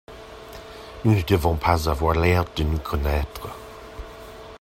Nous ne devons pas avoir l’air de nous connaître.